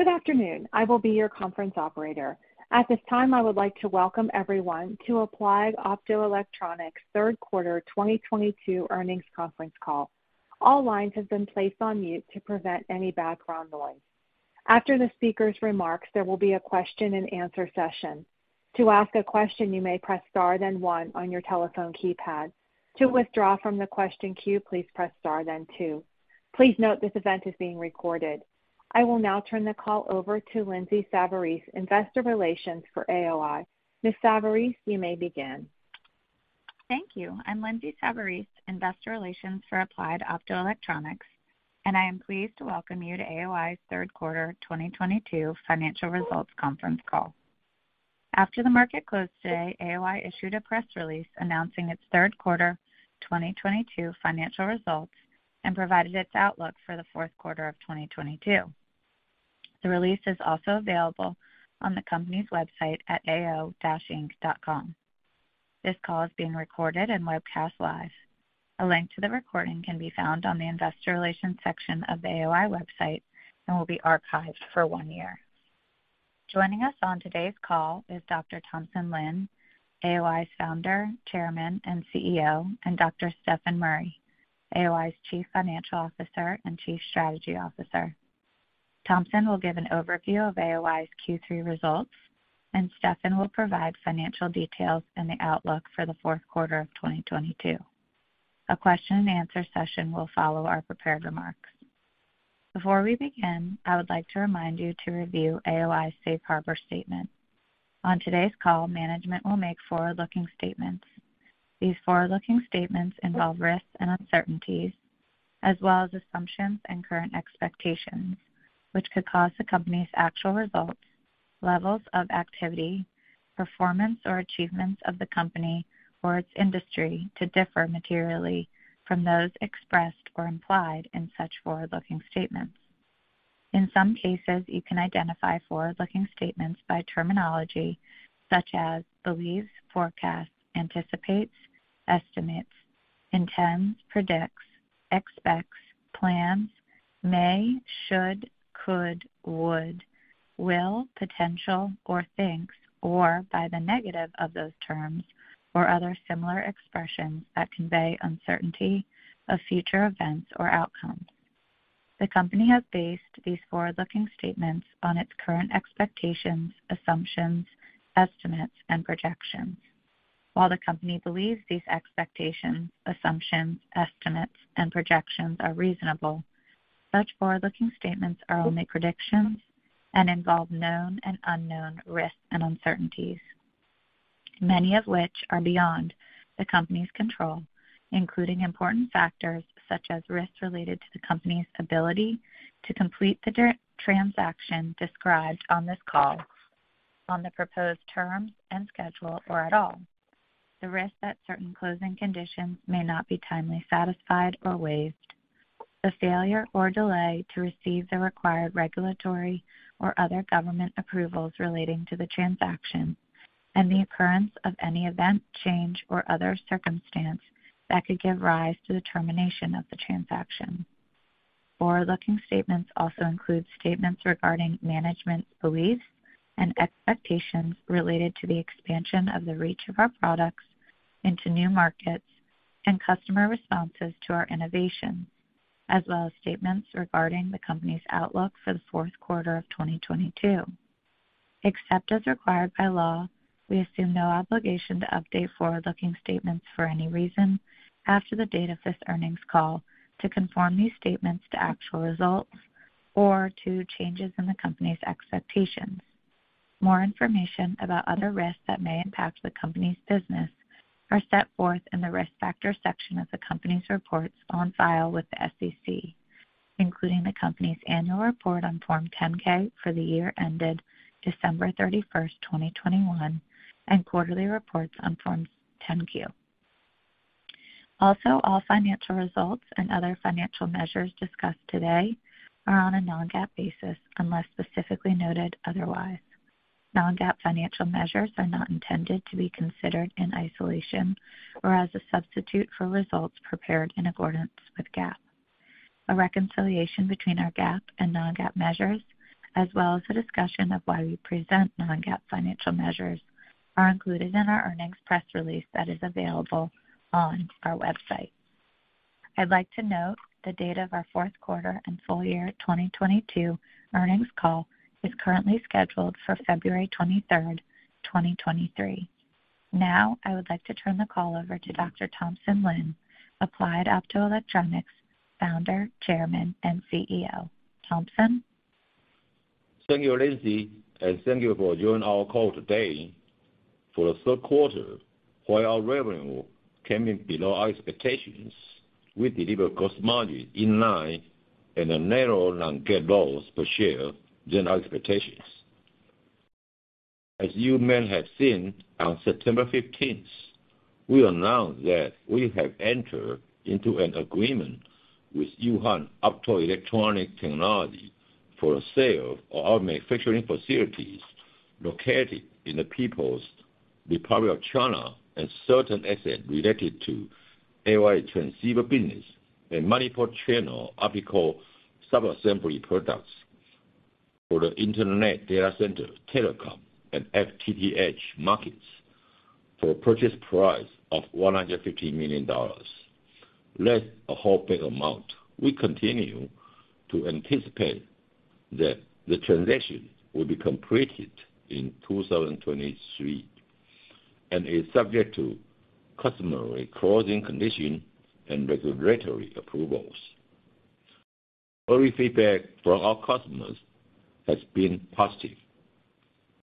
Good afternoon. I will be your conference operator. At this time, I would like to welcome everyone to Applied Optoelectronics Third Quarter 2022 Earnings Conference Call. All lines have been placed on mute to prevent any background noise. After the speaker's remarks, there will be a question-and-answer session. To ask a question, you may press star one on your telephone keypad. To withdraw from the question queue, please press star two. Please note this event is being recorded. I will now turn the call over to Lindsay Savarese, Investor Relations for AOI. Ms. Savarese, you may begin. Thank you. I'm Lindsay Savarese, Investor Relations for Applied Optoelectronics, and I am pleased to welcome you to AOI's Third Quarter 2022 Financial Results Conference Call. After the market closed today, AOI issued a press release announcing its third quarter 2022 financial results and provided its outlook for the fourth quarter of 2022. The release is also available on the company's website at aoi-inc.com. This call is being recorded and webcast live. A link to the recording can be found on the investor relations section of the AOI website and will be archived for one year. Joining us on today's call is Dr. Thompson Lin, AOI's founder, chairman, and CEO, and Dr. Stefan Murry, AOI's Chief Financial Officer and Chief Strategy Officer. Thompson will give an overview of AOI's Q3 results, and Stefan will provide financial details and the outlook for the fourth quarter of 2022. A question-and-answer session will follow our prepared remarks. Before we begin, I would like to remind you to review AOI's Safe Harbor statement. On today's call, management will make forward-looking statements. These forward-looking statements involve risks and uncertainties as well as assumptions and current expectations, which could cause the company's actual results, levels of activity, performance, or achievements of the company or its industry to differ materially from those expressed or implied in such forward-looking statements. In some cases, you can identify forward-looking statements by terminology such as believes, forecasts, anticipates, estimates, intends, predicts, expects, plans, may, should, could, would, will, potential, or thinks, or by the negative of those terms or other similar expressions that convey uncertainty of future events or outcomes. The company has based these forward-looking statements on its current expectations, assumptions, estimates, and projections. While the company believes these expectations, assumptions, estimates, and projections are reasonable, such forward-looking statements are only predictions and involve known and unknown risks and uncertainties, many of which are beyond the company's control, including important factors such as risks related to the company's ability to complete the divestiture transaction described on this call on the proposed terms and schedule or at all. The risk that certain closing conditions may not be timely satisfied or waived. The failure or delay to receive the required regulatory or other government approvals relating to the transaction, and the occurrence of any event, change, or other circumstance that could give rise to the termination of the transaction. Forward-looking statements also include statements regarding management's beliefs and expectations related to the expansion of the reach of our products into new markets and customer responses to our innovations, as well as statements regarding the company's outlook for the fourth quarter of 2022. Except as required by law, we assume no obligation to update forward-looking statements for any reason after the date of this earnings call to conform these statements to actual results or to changes in the company's expectations. More information about other risks that may impact the company's business are set forth in the Risk Factors section of the company's reports on file with the SEC, including the company's annual report on Form 10-K for the year ended December 31st, 2021, and quarterly reports on Form 10-Q. Also, all financial results and other financial measures discussed today are on a non-GAAP basis, unless specifically noted otherwise. Non-GAAP financial measures are not intended to be considered in isolation or as a substitute for results prepared in accordance with GAAP. A reconciliation between our GAAP and non-GAAP measures, as well as a discussion of why we present non-GAAP financial measures are included in our earnings press release that is available on our website. I'd like to note the date of our fourth quarter and full year 2022 earnings call is currently scheduled for February 23rd, 2023. Now, I would like to turn the call over to Dr. Thompson Lin, Applied Optoelectronics Founder, Chairman, and CEO. Thompson? Thank you, Lindsay, and thank you for joining our call today. For the third quarter, while our revenue came in below our expectations, we delivered gross margin in line and a narrower non-GAAP loss per share than our expectations. As you may have seen, on September 15th, we announced that we have entered into an agreement with Yuhan Optoelectronic Technology for the sale of our manufacturing facilities located in the People's Republic of China, and certain assets related to our transceiver business and multiple channel optical subassembly products for the internet data center, telecom, and FTTH markets for purchase price of $150 million, less a whole big amount. We continue to anticipate that the transaction will be completed in 2023, and is subject to customary closing conditions and regulatory approvals. Early feedback from our customers has been positive.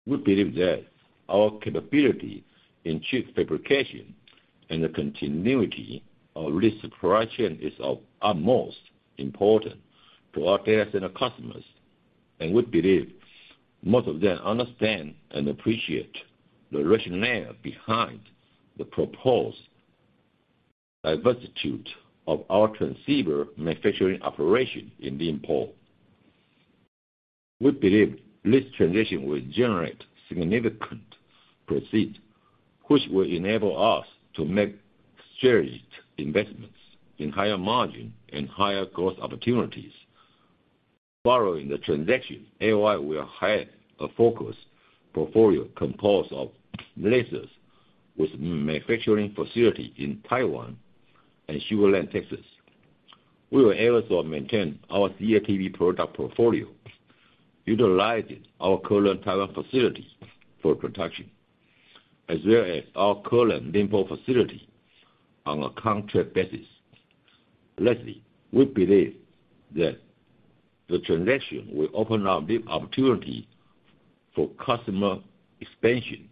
We believe that our capability in chip fabrication and the continuity of our supply chain is of utmost importance to our data center customers, and we believe most of them understand and appreciate the rationale behind the proposed divestiture of our transceiver manufacturing operation in Ningbo. We believe this transition will generate significant proceeds, which will enable us to make strategic investments in higher margin and higher growth opportunities. Following the transaction, AOI will have a focused portfolio composed of lasers with manufacturing facility in Taiwan and Sugar Land, Texas. We will also maintain our CATV product portfolio, utilizing our current Taiwan facilities for production, as well as our current Ningbo facility on a contract basis. Lastly, we believe that the transaction will open up the opportunity for customer expansion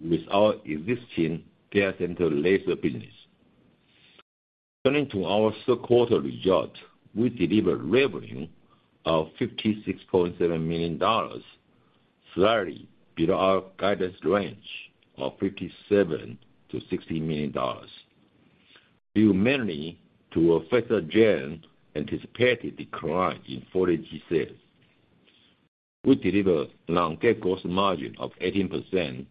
with our existing data center laser business. Turning to our third quarter result, we delivered revenue of $56.7 million, slightly below our guidance range of $57 million-$60 million, due mainly to a faster than anticipated decline in 40G sales. We delivered non-GAAP gross margin of 18%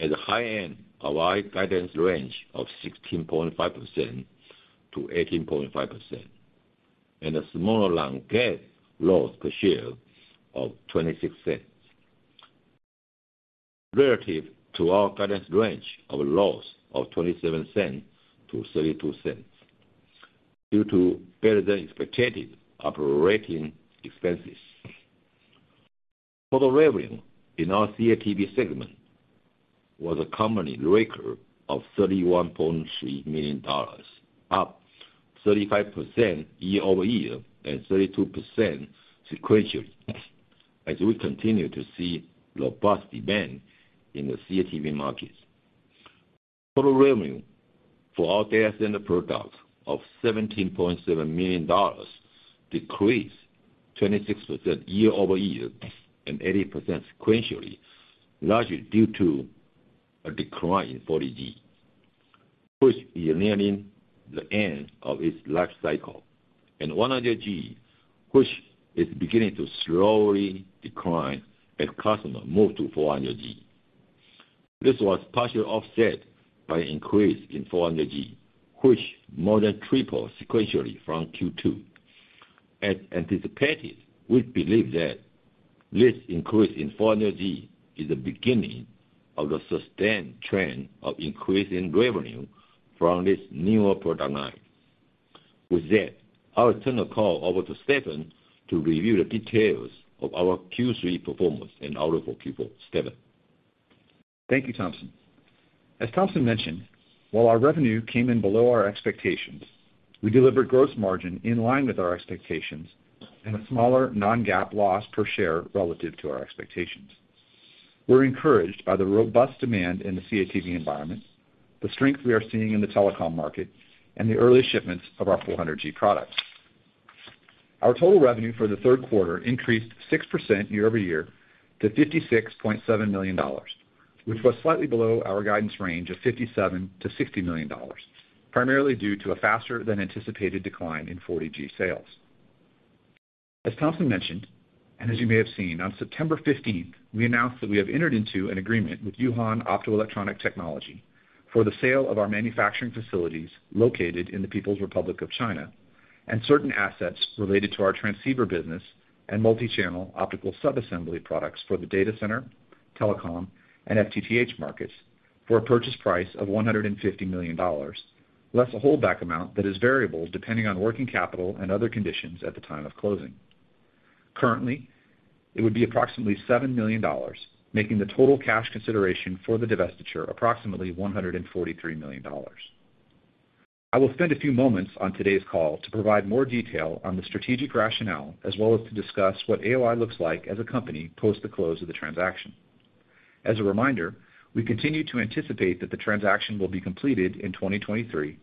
at the high end of our guidance range of 16.5%-18.5%, and a smaller non-GAAP loss per share of $0.26. Relative to our guidance range of a loss of $0.27-$0.32 due to better than expected operating expenses. Total revenue in our CATV segment was a company record of $31.3 million, up 35% year-over-year and 32% sequentially as we continue to see robust demand in the CATV markets. Total revenue for our data center products of $17.7 million decreased 26% year-over-year and 80% sequentially, largely due to a decline in 40G, which is nearing the end of its life cycle, and 100G, which is beginning to slowly decline as customers move to 400G. This was partially offset by increase in 400G, which more than tripled sequentially from Q2. As anticipated, we believe that this increase in 400G is the beginning of the sustained trend of increasing revenue from this newer product line. With that, I'll turn the call over to Stefan to review the details of our Q3 performance and outlook for Q4. Stefan. Thank you, Thompson. As Thompson mentioned, while our revenue came in below our expectations, we delivered gross margin in line with our expectations and a smaller non-GAAP loss per share relative to our expectations. We're encouraged by the robust demand in the CATV environment, the strength we are seeing in the telecom market, and the early shipments of our 400G products. Our total revenue for the third quarter increased 6% year-over-year to $56.7 million, which was slightly below our guidance range of $57 million-$60 million, primarily due to a faster than anticipated decline in 40G sales. As Thompson mentioned, and as you may have seen, on September 15th, we announced that we have entered into an agreement with Yuhan Optoelectronic Technology for the sale of our manufacturing facilities located in the People's Republic of China and certain assets related to our transceiver business and multichannel optical subassembly products for the data center, telecom, and FTTH markets for a purchase price of $150 million, less a holdback amount that is variable depending on working capital and other conditions at the time of closing. Currently, it would be approximately $7 million, making the total cash consideration for the divestiture approximately $143 million. I will spend a few moments on today's call to provide more detail on the strategic rationale, as well as to discuss what AOI looks like as a company post the close of the transaction. As a reminder, we continue to anticipate that the transaction will be completed in 2023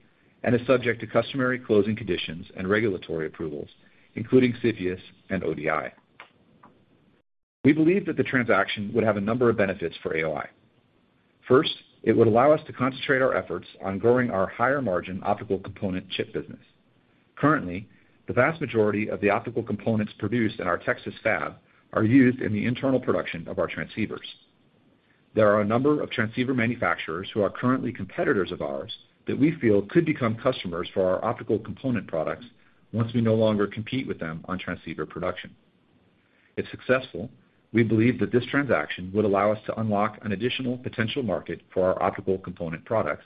and is subject to customary closing conditions and regulatory approvals, including CFIUS and ODI. We believe that the transaction would have a number of benefits for AOI. First, it would allow us to concentrate our efforts on growing our higher margin optical component chip business. Currently, the vast majority of the optical components produced in our Texas fab are used in the internal production of our transceivers. There are a number of transceiver manufacturers who are currently competitors of ours that we feel could become customers for our optical component products once we no longer compete with them on transceiver production. If successful, we believe that this transaction would allow us to unlock an additional potential market for our optical component products,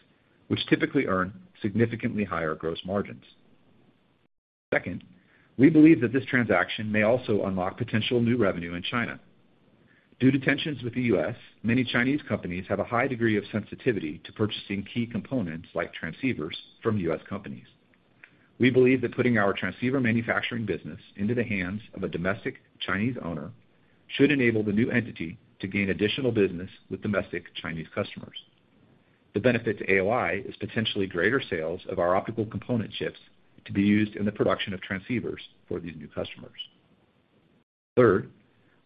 which typically earn significantly higher gross margins. Second, we believe that this transaction may also unlock potential new revenue in China. Due to tensions with the U.S., many Chinese companies have a high degree of sensitivity to purchasing key components like transceivers from U.S. companies. We believe that putting our transceiver manufacturing business into the hands of a domestic Chinese owner should enable the new entity to gain additional business with domestic Chinese customers. The benefit to AOI is potentially greater sales of our optical component chips to be used in the production of transceivers for these new customers. Third,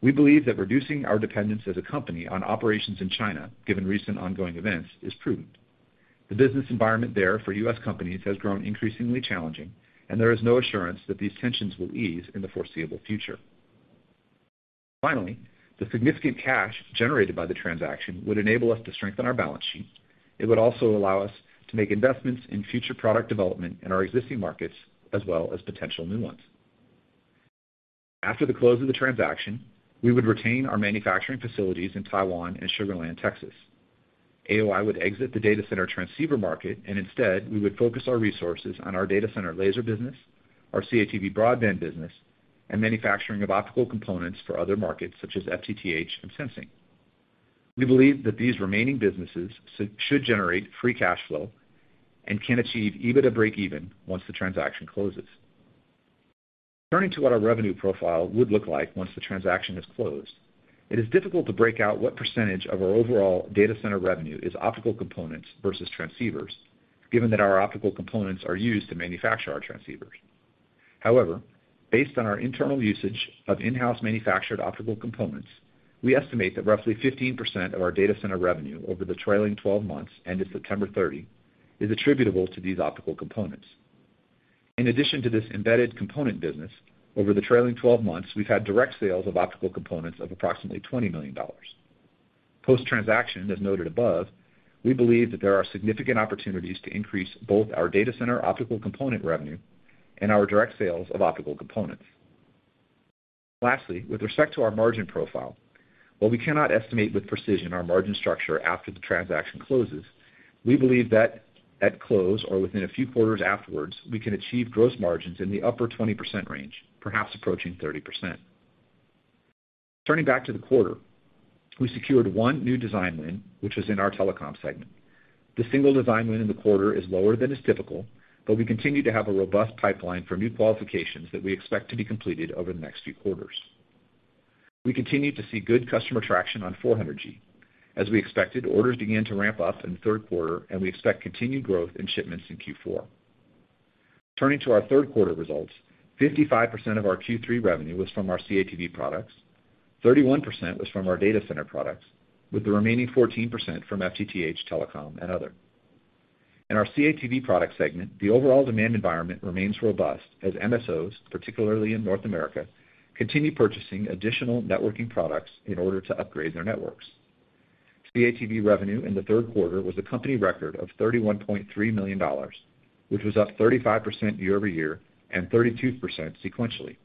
we believe that reducing our dependence as a company on operations in China, given recent ongoing events, is prudent. The business environment there for U.S. companies has grown increasingly challenging, and there is no assurance that these tensions will ease in the foreseeable future. Finally, the significant cash generated by the transaction would enable us to strengthen our balance sheet. It would also allow us to make investments in future product development in our existing markets as well as potential new ones. After the close of the transaction, we would retain our manufacturing facilities in Taiwan and Sugar Land, Texas. AOI would exit the data center transceiver market, and instead, we would focus our resources on our data center laser business, our CATV broadband business, and manufacturing of optical components for other markets such as FTTH and sensing. We believe that these remaining businesses should generate free cash flow and can achieve EBITDA breakeven once the transaction closes. Turning to what our revenue profile would look like once the transaction is closed, it is difficult to break out what percentage of our overall data center revenue is optical components versus transceivers, given that our optical components are used to manufacture our transceivers. However, based on our internal usage of in-house manufactured optical components, we estimate that roughly 15% of our data center revenue over the trailing twelve months, ended September 30, is attributable to these optical components. In addition to this embedded component business, over the trailing twelve months, we've had direct sales of optical components of approximately $20 million. Post-transaction, as noted above, we believe that there are significant opportunities to increase both our data center optical component revenue and our direct sales of optical components. Lastly, with respect to our margin profile, while we cannot estimate with precision our margin structure after the transaction closes, we believe that at close or within a few quarters afterwards, we can achieve gross margins in the upper 20% range, perhaps approaching 30%. Turning back to the quarter, we secured one new design win, which is in our telecom segment. The single design win in the quarter is lower than is typical, but we continue to have a robust pipeline for new qualifications that we expect to be completed over the next few quarters. We continue to see good customer traction on 400G. As we expected, orders began to ramp up in the third quarter, and we expect continued growth in shipments in Q4. Turning to our third quarter results, 55% of our Q3 revenue was from our CATV products, 31% was from our data center products, with the remaining 14% from FTTH, telecom, and other. In our CATV product segment, the overall demand environment remains robust as MSOs, particularly in North America, continue purchasing additional networking products in order to upgrade their networks. CATV revenue in the third quarter was a company record of $31.3 million, which was up 35% year-over-year and 32% sequentially.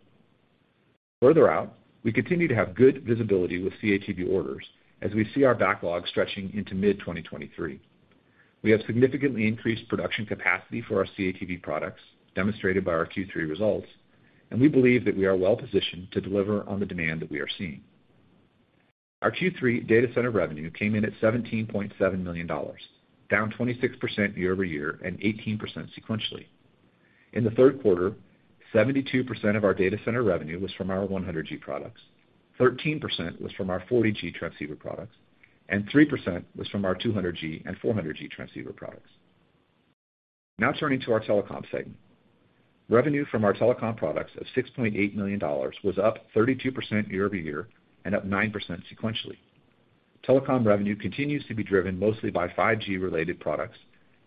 Further out, we continue to have good visibility with CATV orders as we see our backlog stretching into mid-2023. We have significantly increased production capacity for our CATV products, demonstrated by our Q3 results, and we believe that we are well-positioned to deliver on the demand that we are seeing. Our Q3 data center revenue came in at $17.7 million, down 26% year-over-year and 18% sequentially. In the third quarter, 72% of our data center revenue was from our 100G products, 13% was from our 40G transceiver products, and 3% was from our 200G and 400G transceiver products. Now turning to our telecom segment. Revenue from our telecom products of $6.8 million was up 32% year-over-year and up 9% sequentially. Telecom revenue continues to be driven mostly by 5G-related products,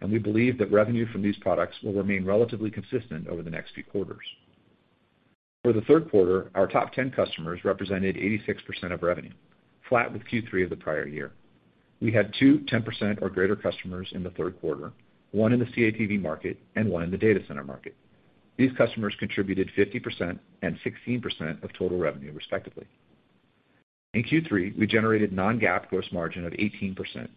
and we believe that revenue from these products will remain relatively consistent over the next few quarters. For the third quarter, our top 10 customers represented 86% of revenue, flat with Q3 of the prior year. We had two 10% or greater customers in the third quarter, one in the CATV market and one in the data center market. These customers contributed 50% and 16% of total revenue, respectively. In Q3, we generated non-GAAP gross margin of 18%,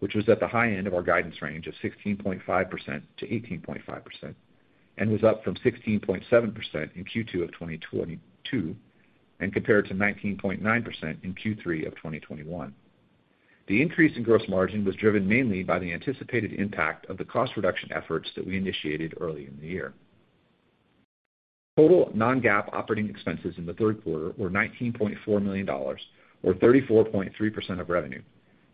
which was at the high end of our guidance range of 16.5%-18.5% and was up from 16.7% in Q2 of 2022 and compared to 19.9% in Q3 of 2021. The increase in gross margin was driven mainly by the anticipated impact of the cost reduction efforts that we initiated early in the year. Total non-GAAP operating expenses in the third quarter were $19.4 million or 34.3% of revenue,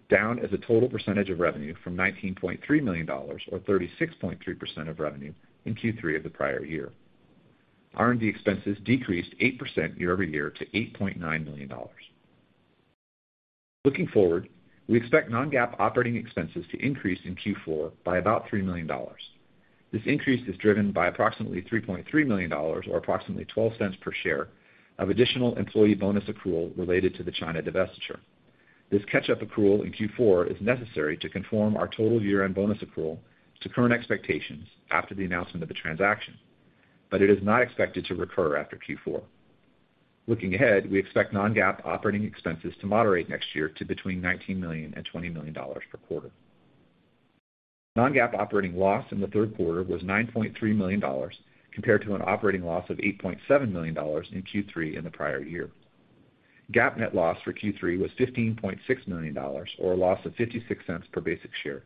down as a total percentage of revenue from $19.3 million or 36.3% of revenue in Q3 of the prior year. R&D expenses decreased 8% year-over-year to $8.9 million. Looking forward, we expect non-GAAP operating expenses to increase in Q4 by about $3 million. This increase is driven by approximately $3.3 million or approximately $0.12 per share of additional employee bonus accrual related to the China divestiture. This catch-up accrual in Q4 is necessary to conform our total year-end bonus accrual to current expectations after the announcement of the transaction, but it is not expected to recur after Q4. Looking ahead, we expect non-GAAP operating expenses to moderate next year to between $19 million and $20 million per quarter. Non-GAAP operating loss in the third quarter was $9.3 million compared to an operating loss of $8.7 million in Q3 in the prior year. GAAP net loss for Q3 was $15.6 million, or a loss of $0.56 per basic share,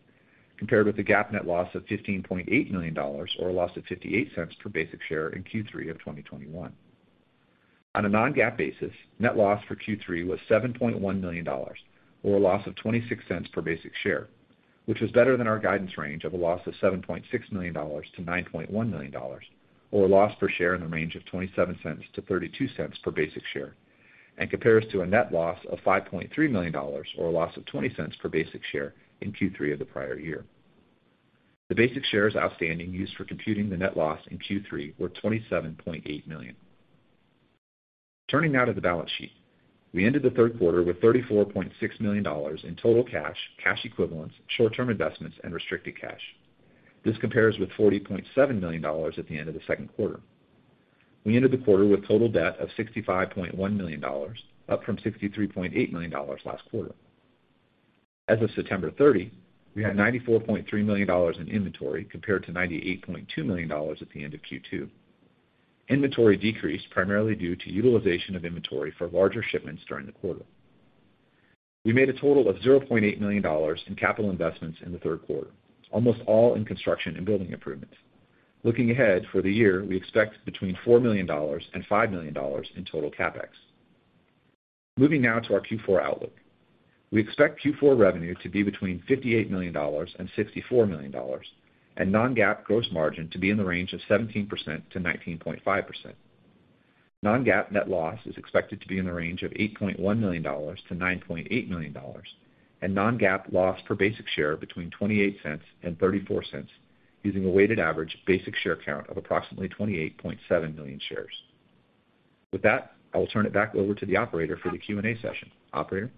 compared with the GAAP net loss of $15.8 million or a loss of $0.58 per basic share in Q3 of 2021. On a non-GAAP basis, net loss for Q3 was $7.1 million or a loss of $0.26 per basic share, which was better than our guidance range of a loss of $7.6 million-$9.1 million, or a loss per share in the range of $0.27-$0.32 per basic share, and compares to a net loss of $5.3 million or a loss of $0.20 per basic share in Q3 of the prior year. The basic shares outstanding used for computing the net loss in Q3 were 27.8 million. Turning now to the balance sheet. We ended the third quarter with $34.6 million in total cash equivalents, short-term investments, and restricted cash. This compares with $40.7 million at the end of the second quarter. We ended the quarter with total debt of $65.1 million, up from $63.8 million last quarter. As of September 30, we had $94.3 million in inventory compared to $98.2 million at the end of Q2. Inventory decreased primarily due to utilization of inventory for larger shipments during the quarter. We made a total of $0.8 million in capital investments in the third quarter, almost all in construction and building improvements. Looking ahead, for the year, we expect between $4 million and $5 million in total CapEx. Moving now to our Q4 outlook. We expect Q4 revenue to be between $58 million and $64 million and non-GAAP gross margin to be in the range of 17%-19.5%. Non-GAAP net loss is expected to be in the range of $8.1 million-$9.8 million and non-GAAP loss per basic share between $0.28-$0.34, using a weighted average basic share count of approximately 28.7 million shares. With that, I will turn it back over to the operator for the Q&A session. Operator?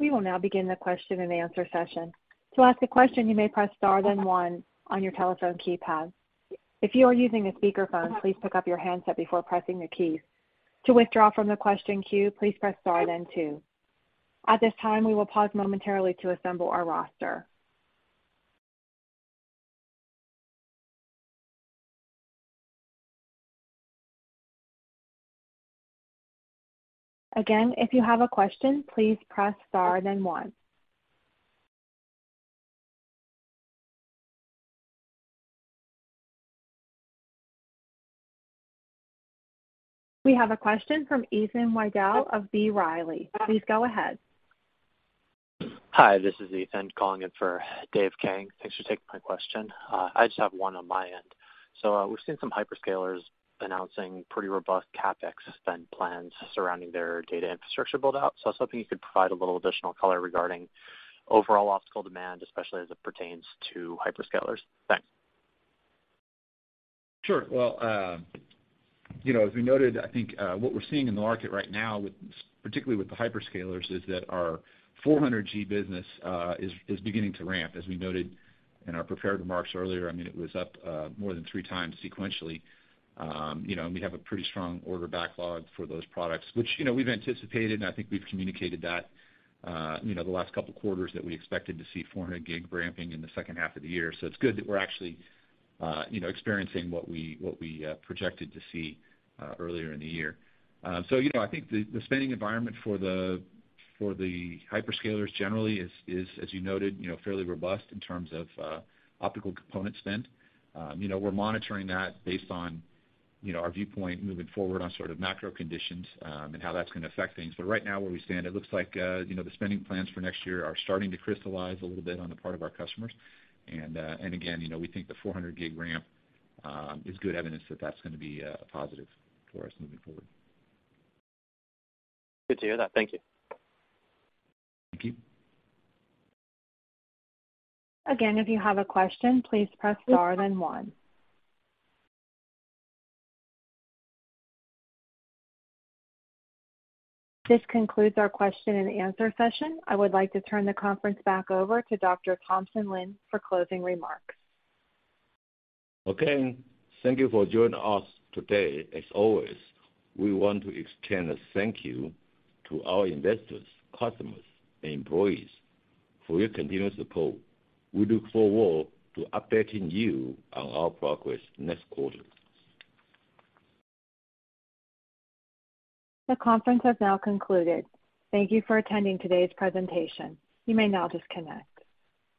We will now begin the question-and-answer session. To ask a question, you may press star, then one on your telephone keypad. If you are using a speakerphone, please pick up your handset before pressing the key. To withdraw from the question queue, please press star then two. At this time, we will pause momentarily to assemble our roster. Again, if you have a question, please press star then one. We have a question from Ethan Widell of B. Riley. Please go ahead. Hi, this is Ethan calling in for Dave Kang. Thanks for taking my question. I just have one on my end. We've seen some hyperscalers announcing pretty robust CapEx spend plans surrounding their data infrastructure build-out. I was hoping you could provide a little additional color regarding overall optical demand, especially as it pertains to hyperscalers. Thanks. Sure. Well, you know, as we noted, I think what we're seeing in the market right now particularly with the hyperscalers is that our 400G business is beginning to ramp. As we noted in our prepared remarks earlier, I mean, it was up more than three times sequentially. You know, and we have a pretty strong order backlog for those products, which, you know, we've anticipated, and I think we've communicated that, you know, the last couple of quarters that we expected to see 400G ramping in the second half of the year. It's good that we're actually, you know, experiencing what we projected to see earlier in the year. You know, I think the spending environment for the hyperscalers generally is, as you noted, you know, fairly robust in terms of optical component spend. You know, we're monitoring that based on, you know, our viewpoint moving forward on sort of macro conditions, and how that's gonna affect things. Right now where we stand, it looks like, you know, the spending plans for next year are starting to crystallize a little bit on the part of our customers. Again, you know, we think the 400G ramp is good evidence that that's gonna be a positive for us moving forward. Good to hear that. Thank you. Thank you. Again, if you have a question, please press star then one. This concludes our question-and-answer session. I would like to turn the conference back over to Dr. Thompson Lin for closing remarks. Okay, thank you for joining us today. As always, we want to extend a thank you to our investors, customers, and employees for your continuous support. We look forward to updating you on our progress next quarter. The conference has now concluded. Thank you for attending today's presentation. You may now disconnect.